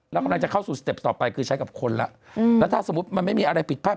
แล้วกำลังจะเข้าสู่สเต็ปต่อไปคือใช้กับคนแล้วแล้วถ้าสมมุติมันไม่มีอะไรผิดพลาด